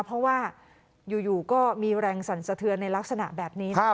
เพราะว่าอยู่ก็มีแรงสั่นสะเทือนในลักษณะแบบนี้